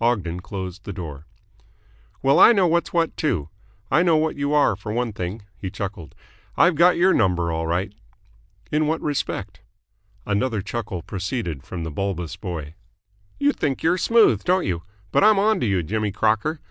Ogden closed the door. "Well, I know what's what, too. I know what you are for one thing." He chuckled. "I've got your number all right." "In what respect?" Another chuckle proceeded from the bulbous boy. "You think you're smooth, don't you? But I'm onto you, Jimmy Crocker.